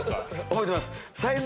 覚えてます。